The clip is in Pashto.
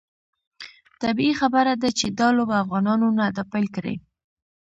طبیعي خبره ده چې دا لوبه افغانانو نه ده پیل کړې.